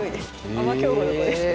アマ強豪の子です。